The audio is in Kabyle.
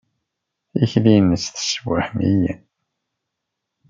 Tikli-nnes tessewhem-iyi.